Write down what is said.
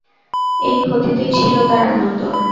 এই ক্ষতিতেই ছিল তার আনন্দ।